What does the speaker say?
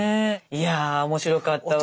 いや面白かったわ。